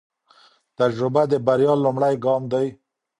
تجربه د بریا لومړی ګام دی.